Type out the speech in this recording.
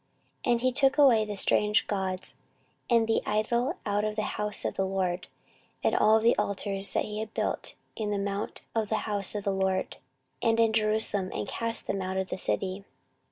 14:033:015 And he took away the strange gods, and the idol out of the house of the LORD, and all the altars that he had built in the mount of the house of the LORD, and in Jerusalem, and cast them out of the city.